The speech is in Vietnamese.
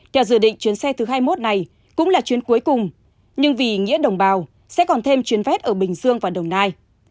theo dự định chuyến xe thứ hai mươi một này cũng là chuyến cuối cùng nhưng vì nghĩa đồng bào sẽ còn thêm chuyến vét ở bình dương và đồng nai